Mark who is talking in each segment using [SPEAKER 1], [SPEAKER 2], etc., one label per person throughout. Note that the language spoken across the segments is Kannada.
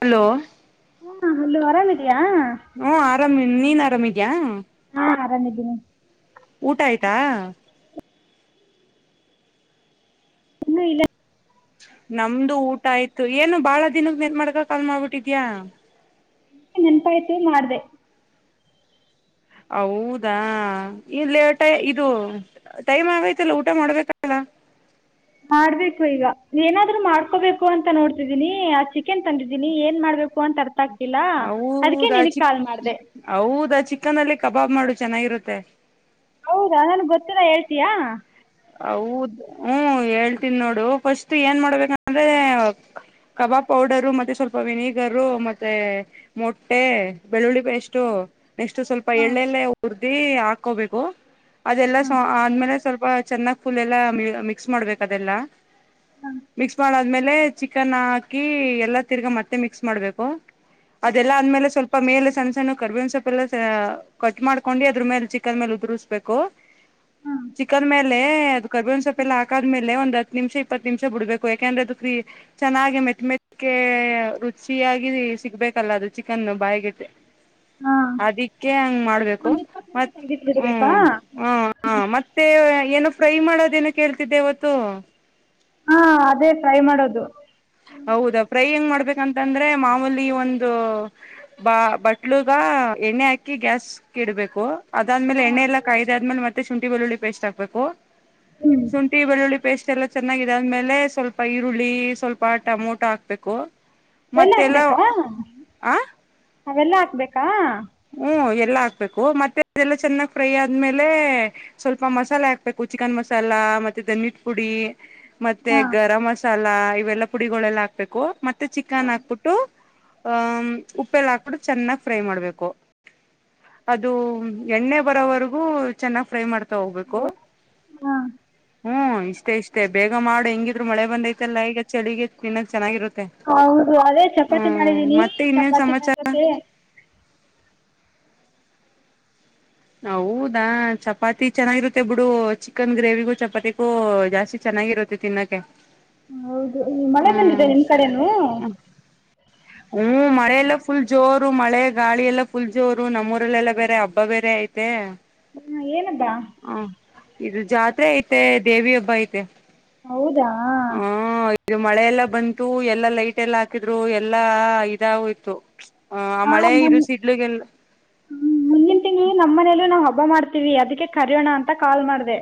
[SPEAKER 1] ಹಲೋ
[SPEAKER 2] ಹಾ ಹ ಆರಾಮಿದ್ದ
[SPEAKER 1] ಹ್ಮ ಆರಾಮ ನೀನ್ ಆರಾಮಿ ಆಾ
[SPEAKER 2] ಹಾ ಆರಾಮಿದ್ದೀನಿ
[SPEAKER 1] ಊಟ ಆಯ್ತಾ
[SPEAKER 2] ಇನ್ನೂ ಇಲ್ಲ
[SPEAKER 1] ನಮ್ದು ಊಟ ಆಯ್ತು ಏನು ಬಾಳ ದಿನದ ಮೇಲ್ ಮಾಡಾಕ ಕಾಲ್ ಮಾಡ್ಬಿಟ್ಟಿದ್ಯಾ
[SPEAKER 2] ನೆನ್ಪ ಐತಿ ಮಾಡ್ದ
[SPEAKER 1] ಹೌದಾ ಇಲ್ಲೇಟ ಇದು ಟೈಮ್ ಆಗೈತಲ್ಲ ಊಟ ಮಾಡ್ಬೇಕಲ್ಲ
[SPEAKER 2] ಮಾಡ್ಬೇಕು ಈಗ ಏನಾದ್ರು ಮಾಡ್ಕೋಬೇಕು ಅಂತ ನೋಡ್ತಿದ್ದೀನಿ ಆ ಚಿಕೆನ್ ತಂದಿದ್ದೀನಿ ಏನ್ ಮಾಡ್ಬೇಕು
[SPEAKER 1] ಹದಾ ಚಿ
[SPEAKER 2] ಕಾಲ್ ಮಾಡಿದೆ
[SPEAKER 1] ಹೌದಾ ಚಿಿಕನ್ಲ್ಲಿೇ ಕಬಾಬ್ ಮಾಡ ಚೆನ್ನಾಗಿರುತ್ತೆ
[SPEAKER 2] ಹೌದಾ ನನ್ಗ್ ಗೊತ್ತಿಲ್ಲ ಹೇಳ್ತಯಾ
[SPEAKER 1] ಹೌದ ಹ್ಮ ಹೇಳ್ತೀನ್ಿ ನೋಡು ಫಸ್ಟ್ ಏನ್ ಮಾಡ್ಬೇಕಂದ್ರೆ ಕಬಾಬ್ ಪೌಡರು ಮತ್ತೆ ಸ್ವಲ್ಪ ವಿನಿಗರು ಮತ್ತೆ ಮೊಟ್ಟೆ ಬೆಳ್ಳುಳ್ಳಿ ಎಷ್ಟು ನೆಕ್ಸ್ಟ್ ಸ್ವಲ್ಪ
[SPEAKER 2] ಹಾಂ
[SPEAKER 1] ಎಳ್ಳೆಲ್ಲೇ ಉ [unintelligible] ಅದೇ ಹಾಕೋಬೇಕು ಅದೆಲ್ಲ
[SPEAKER 2] ಹಾಂ
[SPEAKER 1] ಆದ್ಮೇಲೆ ಸ್ವಲ್ಪ ಬ [unintelligible] ಚೆನ್ನಾಗಿ ಫುಲ್ ಎಲ್ಲ ಮಿಕ್ಸ್ ಮಾಡ್ಬೇಕು ಅದೆಲ್ಲ
[SPEAKER 2] ಹಾಂ
[SPEAKER 1] ಮಿಕ್ಸ್ ಮಾಡಾದ್ಮೇಲೆ ಚಿಕನ್ ಹಾಕಿ ಎಲ್ಲಾ ತಿರ್ಗಾ ಮತ್ತೆ ಮಿಕ್ಸ್ ಮಾಡ್ಬೇಕು ಅದೆಲ್ಲಾ ಅಂದ್ಮೇಲೆ ಸ್ವಲ್ಪ ಮೇಲೆ ಸಣ್ಣ ಸಣ್ಣ ಕರ್ಬೇವ ಸೊಪ್ ಎಲ್ಲ ಕಟ್ ಮಾಡ್ಕೊಂಡು ಅದ್ರ ಮೇಲೆ ಚಿಕನ್ ಮೇಲೆ ಉದುಸ್್ಬೇಕು
[SPEAKER 2] ಹಾಂ
[SPEAKER 1] ಚಿಕನ್ ಮೇಲೆ ಇಪ್ಪತ್ತು ನಿಮಿಷ ಇಪ್ಪತ್ತು ನಿಮಿಷ ಬಿಡ್ಬೇಕು ಯಾಕೆಂದ್ರೆ ಅದು ಕ್ರ ಚೆನ್ನಾಗಿ ಮೆತ್ ಮೆತ್ಕ ರುಚಿಯಾಗಿ ಸಿಗ್ಬೇಕಲ್ಲ ಅದು ಚಿಕನ್ ಬಾಯ್ಿಗೆಟ್ಟ
[SPEAKER 2] ಹಾಂ
[SPEAKER 1] ಅದಿಕ್ಕೆ ಹಂಗ್ ಮಾಡ್ಬೇಕು
[SPEAKER 2] ಒಂದು ಇಪ್ಪತ್ತು
[SPEAKER 1] ಮ
[SPEAKER 2] ನಿಮಿಷ ತೆಗ್ದಿಟ್ಬಿಡ್ಬೇಕಾ
[SPEAKER 1] ಹ್ಮ್ ಹ ಹ ಮತ್ತೆ ಏನೋ ಫ್ರೈ ಮಾಡೋದ ೇನ ಕೇಳ್ತಿದ್ದೆ ಅವವತ್ತು
[SPEAKER 2] ಹಾ ಅದೇ ಟ್ರೈ ಮಾಡೋದು
[SPEAKER 1] ಹೌದಾ ಪ್ರೈ ಹೆಂಗ್ ಮಾಡ್ಬೇಕು ಯಾಂತಂದ್ರೆ ಮಾಮೂಲಿ ಒಂದು ಬ ಬಟ್ಲುಗ ಎಣ್ಣೆ ಹಾಕಿ ಗ್ಯಾಸ್ ಕ ಇಡ್ಬೇಕು ಅದಾದ್ಮೇಲೆ ಎಣ್ಣೆ ಎ ಕಾಯ್ದಾದ್ಮೇಲೆ ಮೆ ಮತ್ತ ಶುಂಠಿ ಬೆಳ್ಳ ಪೇಸ್ಟ್ ಹಕ್ಬೇಕು
[SPEAKER 2] ಹ್ಞೂ
[SPEAKER 1] ಶುಂಠಿ ಬೆಳ್ಳುಳ್ಳಿ ಪೇಸ್ಟ್ ಎಲ್ಲ ಚೆನ್ನಾಗಿದೆ ಅ್ಮೇಲೆ ಸ್ವಲ್ಪ ಈರುಳ್ಳಿ ಸ್ವಲ್ಪ ಪ್ಪ ಟಮೋಟೋ ಹಾಕ್ಬೇಕು
[SPEAKER 2] ಬೆಲ್ಲ
[SPEAKER 1] ಮತ್ತೆಲ್ಲ
[SPEAKER 2] ಹಾಕ್ಬೇಕಾ
[SPEAKER 1] ಆ
[SPEAKER 2] ಅವೆಲ್ಲಾ ಹಾಕ್ಬೇಕಾ
[SPEAKER 1] ಹ್ಮ್ ಎಲ್ಲಾ ಹಾಕ್ಬೇಕು ಮತ್ತೆ ಅದೆಲ್ಲ ಚೆನ್ನಾಗ್ ಫ್ರೈ ಆದ್ಮೇಲೆ ಸ್ವಲ್ಪ ಮಸಾಲೆ ಹಾಕ್ಬೇಕು ಚಿಕನ್ ಮಸಾಲ ಮತ್ತೆ ದಧನಿಟ್ ಪುಡಿ ಮತ್ತೆ
[SPEAKER 2] ಹಾಂ
[SPEAKER 1] ಗರಂ್ ಮಸಾಲ ಇವೆಲ್ಲಾ ಪುಡಿಗಳೆಲ್ಲ ಹಾಕ್ಬೇಕು ಮೆ ಮೆ ಚಿಕನ್ ಹಾಕ್ಬಿಟ್ಟು ಆಹ ಉಪ್ಪೆಲ್ಲ ಹಾಕ್ಬಿಟ್ಟು ಚೆನ್ನಾಗ್ ಫ್ರೈ ಮಾಡ್ಬೇಕು ಅದು ಎಣ್ಣೆ ಬರೋವರೆಗೂ ಚೆನ್ನಾಗ್ ಫ್ರೈ ಮಾಡ್ತ ತಗೋಗ್ಬೇಕು
[SPEAKER 2] ಹಾಂ
[SPEAKER 1] ಹ್ಮ್ ಇಷ್ಟೇ ಇಷ್ಟೇ ಬೇಗ ಮಾಡು ಹೆಂಗಿದ್ರು ಮಳೆ ಬಂದೈತೆಲ್ಲಾ ಈಗ ಚಳಿಗೆ ತಿನ್ನಕ್ ಚೆನ್ನಾಗಿರುತ್ತೆ
[SPEAKER 2] ಹೌದು ಅದೇ ಚಪಾತಿ
[SPEAKER 1] ಹ್ಮ್
[SPEAKER 2] ಮಾಡಿದೀನಿ
[SPEAKER 1] ಮತ್ತೆ ಇನ್ನೇನ್
[SPEAKER 2] ಚಪಾತಿ
[SPEAKER 1] ಸಮಾಚಾರ
[SPEAKER 2] ಕಕತ್ತೆ
[SPEAKER 1] ಹೌದಾ ಚಪಾತಿ ಚೆನ್ನಾಗಿರುತ್ತೆ ಬಿಡು ಚಿಕನ್ ಗ್ರೇವಿಗೂ ಚಪಾತಿಗೂ ಜಾಸ್ತಿ ಚೆನ್ನಾಗಿರುತ್ತೆ ತಿನ್ನಕೆ
[SPEAKER 2] ಹೌದು ಮಳೆ ಬಂದಿದೆ ನಿಮ್ ಕಡೆನುೂ
[SPEAKER 1] ಹ್ಮ್ ಮಳೆಲ್ಲಾ ಫುಲ್ ಜೋರು ಮಳೆ ಗಾಳಿ ಎಲ್ಲಾ ಫುಲ್ ಜೋರು ನಮ್ಮೂಊರಲ್ಲೆಲ್ಲಾ ಬೇರೆ ಹಬ್ಬ ಬೇರೆ ಐತೆ
[SPEAKER 2] ಹಾ ಏನದಾ
[SPEAKER 1] ಹ ಇದು ಜಾತ್ರೆ ಐತೆ ದೇವಿ ಹಬ್ಬ ಐತೆ
[SPEAKER 2] ಹೌದಾ
[SPEAKER 1] ಹಾ ಇದು ಮಳೆಲ್ಲಾ ಬಂತು ಎಲ್ಲಾ ಲೈಟ್ ಎಲ್ಲಾ ಹಾಕಿದ್ರು ಎಲ್ಲಾ ಇದಾಗೋಯ್ತು ಹ ಆ
[SPEAKER 2] ಹಾಂ
[SPEAKER 1] ಮಳೆ
[SPEAKER 2] ಮುನ್
[SPEAKER 1] ಇರುಸ ಇಡ್ಲಿಗೆಲ್ಲ
[SPEAKER 2] ಮುಂದಿನ ತಿಂಗಳು ನಮ್ಮ ಮನೇಲೂ ನಾವು ಹಬ್ಬ ಮಾಡ್ತೀವಿ ಅದಕ್ಕೆ ಕರಯೋಣ ಅಂತ ಕಾಲ್ ಮಾಡ್ದ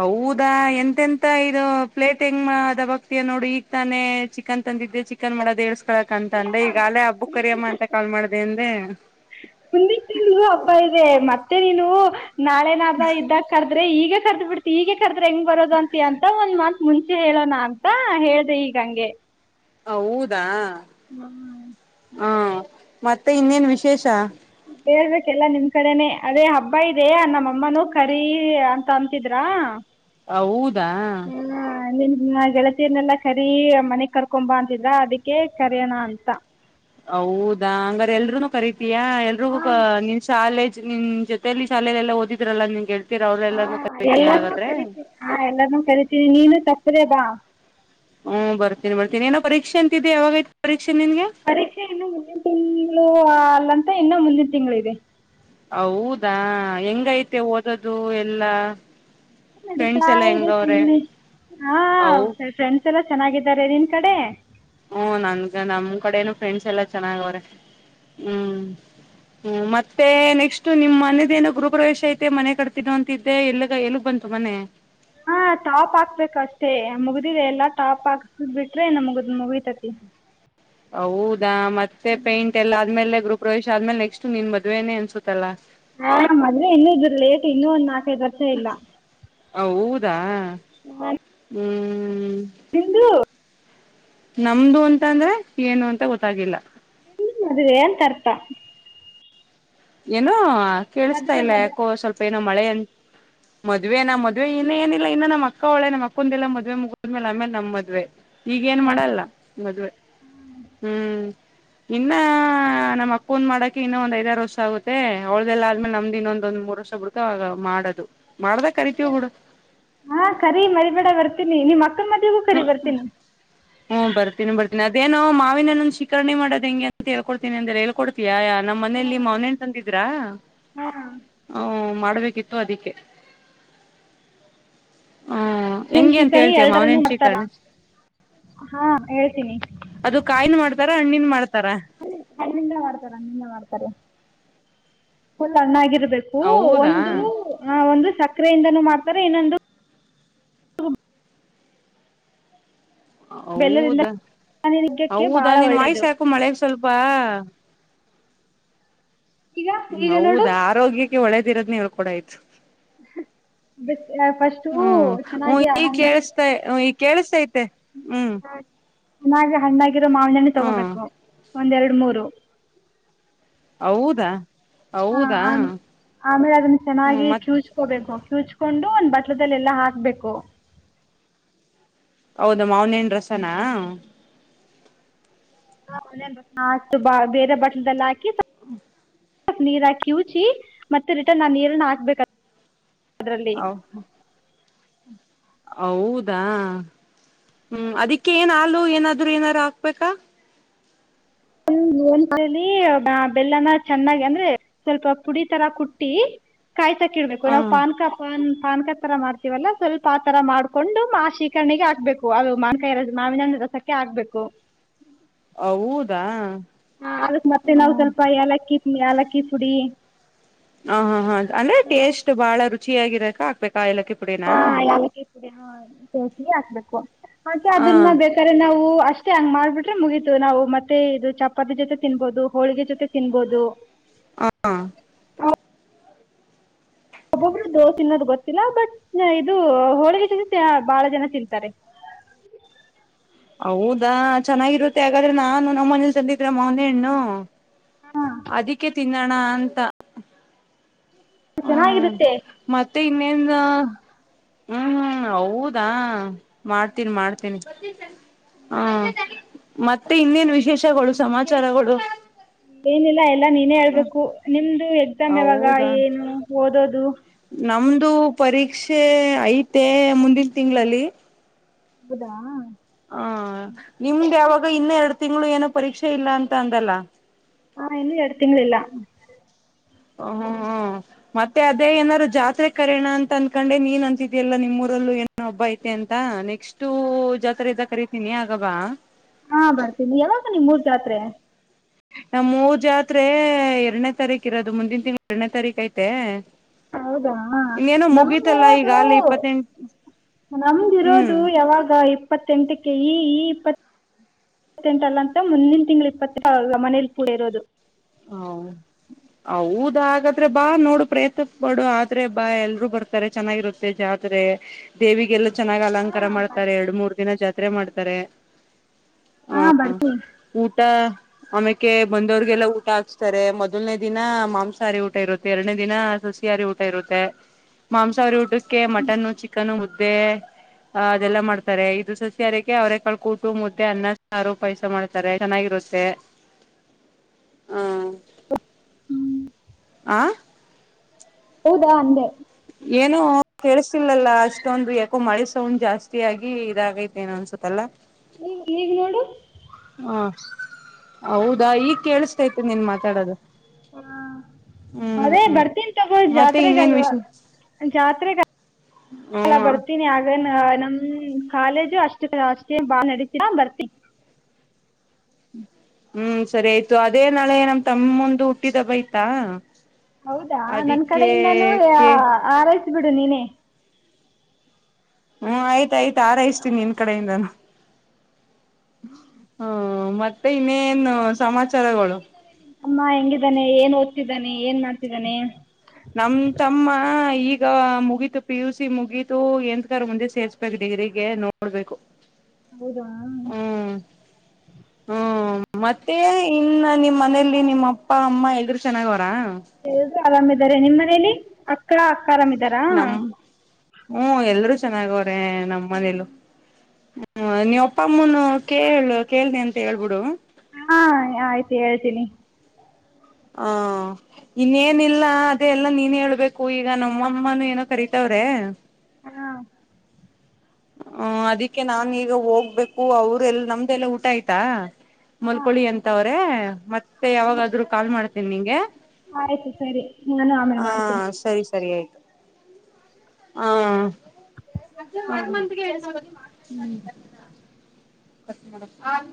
[SPEAKER 1] ಹೌದಾ ಎಂತೆಂತ ಇದು ಪ್ಲೇಟ್ ಹೆಂಗ್ ಅದ ಬಕ್ತಿಯ ನೋಡು ಈಗ ತಾನೆ ಚಿಕನ್ ತಂದಿದ್ದೆ ಚಿಕನ್ ಮಾಡೋದ ಹಕಳಕ ಅಂತ ಅಂದೆ ಈಗ ಅಲೇ ಹಬ್ಬುಕ್ ಕರಿಯಮ್ಮ ಅಂತ ಕಾ ಮಾಡ್ದ ಅಂದ್ರೆ
[SPEAKER 2] ಮುಂದಿನ ತಿಂಗಳು ಹಬ್ಬ ಇದೆ ಮತ್ತೆ ಮತ್ತೆ ನೀನು ನಾಳೆ ನಾದಡ ಇದ್ದಾಗ ದ ಈಗ ಕರದ ಬಿಡ್ತಿ ಈಗೆ ಕ್ರೆ ಹೆಂಗ್ ಬರೋದ ಅಂತ ಅಂತ ಒಂದ್ ಮಂತ್ ಮುಂಚೆ ಹೇಳೋಣ ಅಂತ ಹೇಳ್ದ ಈಗಂಗೆ
[SPEAKER 1] ಹ ಹೌದಾ ಹಾ ಮತ್ತೆ ಇನ್ನೇನ್ ವಿಶೇಷ
[SPEAKER 2] ಹೇಳ್ಬೇಕೆಲ್ಲಾ ನಿಮ್ ಕಡೆನೆ ಅದೇ ಹಬ್ಬ ಇದೆ ನಮ್ಮಮ್ಮನೂ ಕರಿೀ ಅಂತ ಅಂತಿದ್ರ
[SPEAKER 1] ಹೌದಾ
[SPEAKER 2] ನಿಮ ಗೆಳತೀರ್ನೆಲ್ಲ ಕರಿ ಮನೆಗ್ ಕರ್ಕೊಂಬ ಅಂತಿದ್ರ ಅದಕ್ಕೆ ಕರಯೋಣ ಅಂತ
[SPEAKER 1] ಹೌದದು ಹಂಗಾರ ಎಲ್ರುೂನು ಕರಿತಿಯಾ ಎಲ್ರಿಗೂ ನಿನ್ ಶಾಲೇಜ್ ನಿ್ ಜೊತಲಿ ಶಾಲೆಲ್ಲ ಓದಿದ್ರಲ್ಲಾ ನಿನ ಗೆಳತಿ
[SPEAKER 2] ಎ ಹ ಎಲ್ಲಾನ ಕರಿತೀನಿ ನೀನು ಸತ್್ರೆ ಬಾ
[SPEAKER 1] ಹ್ಮ್ ಬರ್ತೀನಿ ಬರತೀನಿ ಏನ ಪೀಕ್ಷೆ ಅಂತಿದೆ ಯಾಗ ಪರೀ
[SPEAKER 2] ಪರೀಕ್ಷೆ ಇನ್ನು ಮುಂದಿನ ತಿಂಗಳು ಅಲ್ಲ ಇನ್ನ ಮುಂದಿನ ತಿಂಗಳದೆ
[SPEAKER 1] ಹೌದಾ ಹೆಂಗೈತೆ ಓದೋದು ಎಲ್ಲಾ ಫ್ರೆಂಡ್ಸ್
[SPEAKER 2] ನಡೀತಾ
[SPEAKER 1] ಎಲ್ಲಾ
[SPEAKER 2] ಇದೆ
[SPEAKER 1] ಹೆಂಗವ್ರೆ
[SPEAKER 2] ಸುಮ್ಮನೆ ಹ
[SPEAKER 1] ಹೌ
[SPEAKER 2] ಫ್ರೆಂಡ್ಸ್ ಎಲ್ಲ ಚೆನ್ನಾಗಿದ್ದಾರೆ ನೀನ್ ಕಡೆ
[SPEAKER 1] ಹಓ ನನ್ಗ ನಮ್ ಕಡೆ ನು ಫ್ರೆಂಡ್ಸ್ ಎಲ್ಲಾ ಚೆನ್ನಾಗ ಅವ್ರೆ ಹ್ಮ್ ಹ್ಮ್ ಮತ್ತೆ ನೆಕ್ಸ್ಟ್ ನಿಮ್ ಮನದೇನೋ ಗೃರುಪ್ರವೇಶ ಐತೆ ಮನೆ ಕಟ್ತನೋ ಅಂತಿದ್ದೆ ಎಲ್ಗ ಎಲ್ಗ್ ಬಂತು ಮನೆ
[SPEAKER 2] ಹಾ ಟಾಪ್ ಹಾಕ್ಬೇಕು ಅಷ್ಟೇ ಮುಗ್ದಿದೆ ಎಲ್ಲಾ ಟಾಪ್ ಹಾಕ್ಸ್ ಬಿಟ್ರೆ ನ ಮುಗಿದ ಮುಗಿತತಿ
[SPEAKER 1] ಹ ಮತ್ತೆ ಪೇಂಟ್ ಎಲ್ಲ ಆದ್ಮೇಲೆ ರು ಪ್ರವೇಶ ಆದ್ಮೇಲೆೆಕ್ಸ್ಟ್ ನಿನ್ ಮದ್ೆನೆ ಅನ್ಸುತ್ತೆ
[SPEAKER 2] ಆ್ರೆ ಇನ್ನುೂ ಇದ್ರ ಲೇಟ್ ಇನ್ನುೂ ಒಂದ್ ನಾಲ್ಕೈದ ವರ್ಷ ಇಲ್ಲ
[SPEAKER 1] ಹ ಹಊದಾ ಹ್ಮ್ ಹ್ಮ್
[SPEAKER 2] ಹಂದು
[SPEAKER 1] ನಮ್ದು ಅಂತ ಅಂದ್ರೆ ಏನು ಅಂತ ಗೊತ್ತಾಗಿಲ್ಲ
[SPEAKER 2] ಇಲ್ಲ ಅದ ವನ್ ತರತಾ
[SPEAKER 1] ಏನೋ ಕೇಳಿಸ್ತಾ ಇಲ್ಲ ಯಕೋ ಸ್ವಲ್ಪ ಮಳೆ ಅಂತ ಮದ್ವೆನಾ ಮದ್ವೆೆ ಇನ್ನ ಏ ಇಲ್ಲ ಇನ್ನುೂ ನಮ್ಮ ಅಕ್ಕ ಒಳ್ಳೆ ನಮ್ಮ ಅಕ್ಕಂದ ಎಲ್ಲ ಮದ್ವೆ ಮುಗಿದ್ಮೇಲೆ ಆಮೇಲೆ ನಮ್ಮ ಮದ್ವೆ ಈಗ ಏನ್ ಮಾಡಲ್ಲ ಮದ್ುವವೆ ಹ್ಮ್ ಇನ್ನ ನಮ್ಮ್ ಅಕ್ಕ ಒಂದ್ ಮಾಡಕ ಇನ್ನ ಒಂದ್ ಐದಾರು ವರ್ಷ ಸೌತೆ ಅವೌ್ದದೆಲ್ಲ ಅಲ್್ಮೆ ನಮ್ದ ಇನ್ ಒಂದೊಂದ್ ಮೂರು ವಷ ಬುಡ್ಕ ಆ ಮಾಡದು
[SPEAKER 2] ಹಾ ಕರಿೀ ಮರಿಬೇಡ ಬರ್ತ ನಿಮ್ಮ ಮ ಹುಖರಿ ಬರ್ತೀನಿ
[SPEAKER 1] ಹ್ಮ್ ಬರ್ತೀನಿ ಬರ್ತೀಿ ಅದೇೋ ಮಾವಿನಲ್ಲ ಒಂದು ಶಿಖರಣಿ ಮಾಡದ ಹೆಗೆ ಅಂತ ಹಳ್ಕೊಡ್ತಿನಿ ಅಂದೆ ಹೇಳ್ಕೊಡ್ತೀಯ ಯಾರ ನಮ್ಮ್ ಮನೆಯಲ್ಲಿ ಮನಂಂತಂದಿದ್ರ ಮಾಡಬೇಕಿತ್ತು ಅದಕ್ಕೆ
[SPEAKER 2] ನ್ ಶಿಕಾರಿ ಎಲ್ರನುೂ
[SPEAKER 1] ಮಾವನಹಣ್
[SPEAKER 2] ಮಾಡ್ತಾರ
[SPEAKER 1] ಶ್ರೀಕರ್ಣಿ
[SPEAKER 2] ಹಾ ಹೇಳ್ತೀನಿ
[SPEAKER 1] ಅದು ಕಾಯನ್ ಮಾಡ್ತಾರ ಹಣ್ಣಿನ ಮಾಡ್ತಾರ
[SPEAKER 2] ನಿಿಂದ ಮಾಡ್ತಾರ ನಿಿಂದ ಮಾಡ್ತಾರ ಫುಲ್ ಅನ್ನ ಆಗಿರ್ಬೇಕ ಬು
[SPEAKER 1] ಹೌದಾ
[SPEAKER 2] ಒಂದು ಒಂದು ಸ ಅಕ್ರೆಯಿಂದನೂ ಮಾಡ್ತಾರೆ ಏನೊಂದು ಬೆಲ್ಲದಿಂದ
[SPEAKER 1] ಹೌದಾ
[SPEAKER 2] ಆರೋಗ್ಯಕ್ಕೆ
[SPEAKER 1] ಹೌದಾ
[SPEAKER 2] ಭಾಳ
[SPEAKER 1] ನೀನ್ ವಾಯಸ್
[SPEAKER 2] ಒಳ್ಳೆಯದು
[SPEAKER 1] ಯಾಕು ಮಳೆೆಗೆ ಸ್ವಲ್ಪ ಪ್ಪಾ
[SPEAKER 2] ಈಗ ಈಗ ನೋಡು
[SPEAKER 1] ಹೌದಾ ಆರೋಗ್ಯಕ್ಕೆ ಈ ಒಳ್ಳೇದ ಇರೋ್ನೇಳ್ ಕಡ ಆ್ತು [unintelligible]
[SPEAKER 2] ಅದ ಫಸ್ಟು
[SPEAKER 1] ಹ್ಮ್ ಹ್ಮ
[SPEAKER 2] ಚೆನ್ನಾಗಿ ಹಣ
[SPEAKER 1] ಹ [unintelligible]
[SPEAKER 2] ಹಾ [unintelligible] ನ ಹಣ್ಣ [unintelligible] ಿರೋ ಮಾವನನೆ
[SPEAKER 1] ಹ
[SPEAKER 2] ತಗೋಬೇಕು [unintelligible] ಒಂದೆರಡು ಮೂರು
[SPEAKER 1] ಹೌದಾ
[SPEAKER 2] ಹ
[SPEAKER 1] ಹೌದಾ
[SPEAKER 2] ಆ ಆಮೇಲೆ ಅದನ್ನ
[SPEAKER 1] ಹ್ಮ
[SPEAKER 2] ಚೆನ್ನಾಗಿ
[SPEAKER 1] ಮತ್
[SPEAKER 2] ಕ್ಯೂಚ್ಕೋಬೇಕು ಕ್ಯೂಚ್ ಕೊಂಡು ಒಂದ್ ಬಟ್ಲಲ್ಲ ಎಲ್ಲಾ ಹಾಕ್ಬೇಕು.
[SPEAKER 1] ಹೌದ ಮಾವನೇಣ ರಸನಾ
[SPEAKER 2] ಹ ಮು ಬೇರೆ ಬಾಟ್ಲಿಗೆಲ್ಲಾ ಹಾಕಿ, ನೀರ್ ಹಾಕಿ ಕ್ಯೂಚಿ ಮತ್ತೆ ರಿಟರ್ನ್ ಆ ನೀರನ್ನ ಹಾಕ್ಬೇಕ.
[SPEAKER 1] ಹ ಹೌದಾ ಹ್ಮ್ ಅದಿಕ್ಕೆ ಏನ್ ಹಾಲು ಏನಾದ್ರು ಏನಾದ್ರು ಹಾಕ್ಬೇಕಾ?
[SPEAKER 2] ಬೆಲ್ಲನ ಚೆನ್ನಾಗಿ ಅಂದ್ರೆ ಸ್ವಲ್ಪ ಪುಡಿ ತರ ಕುಟ್ಟಿ ಕಾಯ್ಸಕಿಡ್ಬೇಕು ನಾವ್
[SPEAKER 1] ಹ
[SPEAKER 2] ಪಾನ್ ಕಾಪಾನ್ ಪಾನ್ಕ ತರ ಮಾಡ್ತೀವಲ್ಲ ಸ್ವಲ್ಪ ಆತರ ಮಾಡ್ಕೊಂಡು ಮಾ ಶೀಕರ್ಣಿಗೆ ಹಾಕ್ಬೇಕು ಅದು ಮಾನ್ಕಾಯಿ ರ ಮಾವಿನನ ರಸಕ್ಕೆ ಹಾಕ್ಬೇಕು.
[SPEAKER 1] ಹ ಹೌದಾ
[SPEAKER 2] ಯಲಕ್ಕಿ ಪುಡಿ.
[SPEAKER 1] ಹ ಹಾ ಹಾ ಅಂದ್ರೆ ಟೇಸ್ಟ್ ಬಾಳ ರುಚಿಯಾಗಿರಾಕ ಹಾಕ್ಬೇಕ
[SPEAKER 2] ಹಾಕ್ಬೇಕು,
[SPEAKER 1] ಹಾ
[SPEAKER 2] ಅದನ್ನ ಬೇಕಾದ್ರೆ ನಾವು ಅಷ್ಟ ಅಷ್ಟೆ ಹಂಗ್ ಮಾಡ್ಬಿಟ್ರೆ ಮುಗೀತು ನಾವು ಮತ್ತೆ ಇದು ಚಪಾತಿ ಜೊತೆ ತಿನ್ಬೋದು ಹೋಳಿಗೆ ಜೊತೆ ತಿನ್ಬೋದು.
[SPEAKER 1] ಹಾ
[SPEAKER 2] ಒಬ್ಬೊಬ್ರು ದೋಸ ತಿನ್ನೋದು ಗೊತ್ತಿಲ್ಲ ಬಟ್ ಇದು ಹೋಳಿಗೆ ಜೊತೆ ಬಾಳ ಜನ ತಿನ್ತಾರೆ.
[SPEAKER 1] ಹೌದಾ ಚೆನ್ನಾಗಿರುತ್ತೆ ಹಾಗಾದ್ರೆ ನಾನು ನಮ್ಮ ಮನೇಲಿ ತಂದಿದ್ರೆ ಮವೆನಹಣ್ಣು
[SPEAKER 2] ಹಾಂ
[SPEAKER 1] ಅದಿಕ್ಕೆ ತಿನ್ನೋಣ ಅಂತ ಹ್ಮ
[SPEAKER 2] ಚೆನ್ನಾಗಿರುತ್ತೆ
[SPEAKER 1] ಮತ್ತೆ ಇನ್ನೇಂದ ಹ್ಮ್ ಹ್ಮ್ ಹೌದಾ ಮಾಡ್ತೀನ್ ಮಾಡ್ತೇನಿ. ಹಾ ಮತ್ತೆ ಇನ್ನೇನ್ ವಿಶೇಷಗಳು, ಸಮಾಚಾರಗಳು?
[SPEAKER 2] ಏನಿಲ್ಲ ಎಲ್ಲ ನೀನೇ ಹೇಳ್ಬೇಕು ನಿಮ್ದು ಎಕ್ಸಾಮ್ ಯಾವಾಗ
[SPEAKER 1] ಹೌದಾ
[SPEAKER 2] ಏನು? ಓದೋದು?
[SPEAKER 1] ನಮ್ದು ಪರೀಕ್ಷೆ ಐತೆ ಮುಂದಿನ ತಿಂಗಳಲ್ಲಿ
[SPEAKER 2] ಹೌದಾ
[SPEAKER 1] ಹಾ ನಿಮ್ದ ಯಾವಾಗ? ಆಗ ಇನ್ನ ಎರಡು ತಿಂಗಳು ಏನೋ ಪರೀಕ್ಷೆ ಇಲ್ಲ ಅಂತ ಅಂದಲ್ಲ.
[SPEAKER 2] ಹಾ ಇನ್ನು ಎರಡ್ತಿ ತಿಂಗ್ಳಿಲ್ಲ.
[SPEAKER 1] ಹ ಹ್ಮ್ ಹ್ಮ್ ಮತ್ತೆ ಅದೇ ಏನಾರು ಜಾತ್ರೆ ಕರೆಯೋಣ ಅಂತ ಅಂದಕಂಡೆ, ನೀನ್ ಅಂತಿದಲ್ಲ ನಿಮ್ಮೂರಲ್ಲೂ ಏನೋ ಹಬ್ಬ ಐತೆ ಅಂತ ಅ. ಎಷ್ಟು ಜಾತ್ರೆ ಇದ ಕರಿತ ನಿನಿ ಆಗಬಾ
[SPEAKER 2] ಹಾ ಬರ್ತೀನಿ ಯಾವಾಗ ನಿಮ್ ಊರ್ ಜಾತ್ರೆ?
[SPEAKER 1] ನಮ್ಮ ಊರುಜಾತ್ರೆ ಎರಡನೇ ತಾರೀಕ ಇರೋದು, ಮುಂದಿನ ತಿಂಗಳು ಎರಡನೇ ತಾರೀಕ ಐತೆ.
[SPEAKER 2] ಹೌದಾ
[SPEAKER 1] ಇನ್ನೇನೋ ಮುಗೀತಲ್ಲ ಈಗ
[SPEAKER 2] ನಮ್ದಿರೋದು
[SPEAKER 1] ಅಲ್ಲಿ ಇಪ್ಪತ್ತೆಂಟ
[SPEAKER 2] ನಮ್ದಿರೋದು
[SPEAKER 1] ಹ್ಮ್
[SPEAKER 2] ಯಾವಾಗ ಇಪ್ಪತ್ತೆಂಟಕ್ಕೆ ಈ ಈ ಇಪ್ಪ ಇಪ್ಪತ್ತಂಟ ಅಲ್ಲ ಅಂತ ಮುಂದಿನ ತಿಂಗಳು ಇಪ್ಪತ್ತಂ ಮನೇಲಿ ಪೂಳ ಇರೋದು
[SPEAKER 1] ಹ ಹೌದ ಹಾಗಾದ್ರೆ ಬಾ ನೋಡು ಪ್ರಯತ್ನ ಪಡು ಆದ್ರೆ ಬಾ ಎಲ್ರೂ ಬರ್ತಾರೆ ಚೆನ್ನಾಗಿರುತ್ತೆ ಜಾತ್ರೆ ದೇವಿಗೆಲ್ಲ ಚೆನ್ನಾಗ್ ಅಲಂಕಾರ ಮಾಡ್ತಾರೆ ಎರಡು ಮೂರ್ ದಿನ ಜಾತ್ರೆ ಮಾಡ್ತಾರೆ
[SPEAKER 2] ಹಾ ಬರ್ತೀ
[SPEAKER 1] ಆಮ್ಯೇಕ ಬಂದವ್ರಗೆಲಾ ಊಟ ಹಾಕ್ಸ್ತಾರೆ ಮೊದಲನೇ ದಿನ ಮಾಂಸಾಹಾರಿ ಊಟ ಇರುತ್ತೆ ಎರಡನೇ ದಿನ ಸಸಿಹಾರಿ ಊಟ ಇರುತ್ತೆ ಮಾಂಸಾಹಾರಿ ಊಟಕ್ಕೆ ಮಟನ್ ಚಿಕನ್ ಮುದ್ದೆ ಅ ಅದೆಲ್ಲಾ ಮಾಡ್ತಾರೆ ಇದು ಸಸಿಹಾರಕ್ಕೆ ಅವ್ರ ಕಕ ಟು ಮುದ್ದೆ ಅನ್ನ ಸಾರು ಪಾಯಸ ಮಾಡ್ತಾರೆ ಚೆನ್ನಾಗಿರುತ್ತೆ ಹಾ ಆ
[SPEAKER 2] ಹೌದಾ ಅಂದೆ
[SPEAKER 1] ಏನೋ ಕೇಳ್ತಿಿಲ್ಲಲ್ಲ ಅಷ್ಟೊಂದು ಯಾಕೋ ಮಳೆ ಸೌಂಡ್ ಜಾಸ್ತಿ ಆಗಿ ಇದಾಗೈತೆ ಏನ ಅನ್ಸುತ್ತಲ್ಲ
[SPEAKER 2] ನೀವ ನೀಗ್ ನೋಡು
[SPEAKER 1] ಹ್ಮ ಹೌದಾ ಈಗ ಕೇಳಸ ಆ್ತು ನೀನ್ ಮಾತಾಡೋದು
[SPEAKER 2] ಹಾ ಮದೆ
[SPEAKER 1] ಹ್ಮ್
[SPEAKER 2] ಬರ್ತೀನ್ಿ ತಗೊ
[SPEAKER 1] ಮತ್ತೆ ಇನ್ನೇನ್
[SPEAKER 2] ಜಾತ್ರೆಗಲ್ವಾ
[SPEAKER 1] ವಿಷಯ
[SPEAKER 2] ಜಾತ್ರೆಗ ಎಲ್ಲ
[SPEAKER 1] ಹ್ಮ್
[SPEAKER 2] ಬರ್ತೀನಿ ಆಗ ಆ ನಮ ಕಾಲೇಜು ಅಷ್ಟ ಅಷ್ಟೇ ಬಾ ನಡತ ಬರ್ತಿ
[SPEAKER 1] ಹ್ಮ್ ಸರಿ ಆಯ್ತು ಅದೇ ನಾಳೆ ನಮ ತಮ್ಮಂದು ಹುಟ್ಟಿದಬ್ಬ ಆಯ್ತಾ
[SPEAKER 2] ಹೌದಾ ನನ್ ಕಡೆಯಿಂದಾನು
[SPEAKER 1] ಕೆ
[SPEAKER 2] ಆರೈ ಬಿಡು ನೀನೇ
[SPEAKER 1] ಹ್ಮ್ ಆಯ್ತಾಯ್ತು ಆರ ಇಷ್ಟತೀನಿ ನಿನ್ ಕಡೆಯಿಂದಾನು ಹಾ ಮತ್ತೆ ಇನ್ನೇನು ಸಮಾಚಾರಗಳು.
[SPEAKER 2] ಅಮ್ಮ ಹೆಂಗಿದ್ದಾನೆ ಏನ್ ಿದ್ದಾನೆ
[SPEAKER 1] ನಮ ತಮ್ಮ ಈಗ ಮುಗೀತು ಪಿ ಯು ಸಿ ಮುಗಿತು ಎಂತ ಕ ಮುಂದೆ ಸೇರ್ಸ್ಬೇಕು ಡಿಗ್ರಿಗೆ ನೋಡ್ಬೇಕು
[SPEAKER 2] ಹೌದ
[SPEAKER 1] ಹ್ಮ್ ಹ್ಮ್ ಮತ್ತೆ ಇನ್ನ ನಿಮ್ಮ್ ಮನೇಲಿ ನಿಮ್ಮ್ ಅಪ್ಪ ಅಮ್ಮ ಎಲ್ರುೂ ಚೆನ್ನಾಗ್ ಹಾ
[SPEAKER 2] ಎಲ್ರು ಆರಾಮಿದ್ದಾರೆ ನಿಮ್ಮ ಮನೇಲಿ ಅಕ್ಕ ಆರಾಮಿದ್ದಾರಾ
[SPEAKER 1] ನಮ ಹ್ಮ ಎಲ್ರೂ ಚಾಗ ಅೆ ನಮ್ಮನೇಲು ಹ ನೀವ್ ಅಪ್ಪಮ್ಮನು ಕೇಳ ಕೇಳ್ದಿ ಅಂತ ಹೇಳ್ಬಿಡು
[SPEAKER 2] ಹಾ ಆಯ್ತು ಹೇಳ್ತೀನಿ
[SPEAKER 1] ಹ ಇನ್ನೇನಿಲ್ಲ ಅದೆಲ್ಲಾ ನೀನ್ ಹೇಳ್ಬೇಕು ಈಗ ನಮ್ಮಮ್ಮನೂ ಏನೋ ಕರತವ್ರೆ
[SPEAKER 2] ಹಾ
[SPEAKER 1] ಹ ಅದಿಕ್ಕೆ ನಾ ಈಗ ಹೋಗ್ಬೇಕು ಅವ್ರಲ್ಲ ನಮ್ದಲ್ಲಾ ಊಟ ಆಯ್ತಾ
[SPEAKER 2] ಹಾ
[SPEAKER 1] ಮಲ್ಕೋಳಿ ಅಂತವ್ರೆ ಮತ್ತೆ ಮತ್ತೆ ಯಾವಾಗಾದ್ರೂ ಕಾಲ್ ಮಾಡ್ ನಿಂಗೆ
[SPEAKER 2] ಆಯ್ತು ಸರಿ ನಾನು ಆಮೇಲೆ
[SPEAKER 1] ಹಾ
[SPEAKER 2] ಮಾಡ್ತೀನಿ
[SPEAKER 1] ಸರಿ ಸರಿ ಆಯ್ತು ಹಾ [inaudible] [unintelligible]